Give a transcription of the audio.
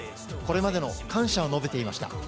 これまでの感謝を述べていました。